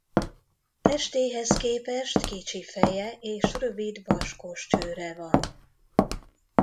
Testéhez képest kicsi feje és rövid vaskos csőre van.